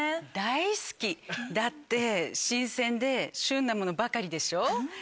大好きだって新鮮で旬なものばかりでしょ。